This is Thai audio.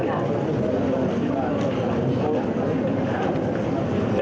สวัสดีครับ